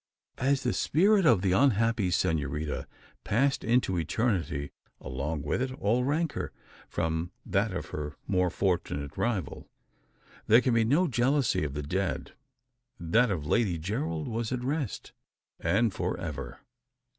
As the spirit of the unhappy senorita passed into eternity, along with it went all rancour from that of her more fortunate rival. There can be no jealousy of the dead. That of Lady Gerald was at rest, and for ever.